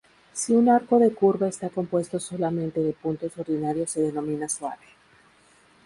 Si un arco de curva está compuesto solamente de puntos ordinarios se denomina "suave".